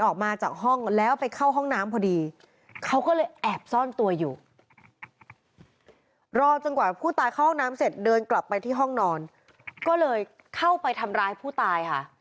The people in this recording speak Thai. เข้าห้องน้ำเสร็จเดินกลับไปที่ห้องนอนก็เลยเข้าไปทำร้ายผู้ตายค่ะ